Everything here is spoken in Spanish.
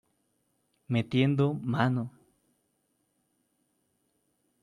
Metiendo Mano!